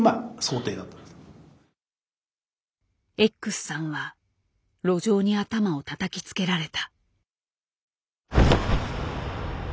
Ｘさんは路上に頭をたたきつけられた。